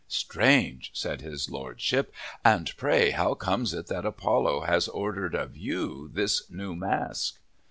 "Strange!" said his Lordship. "And pray how comes it that Apollo has ordered of you this new mask?"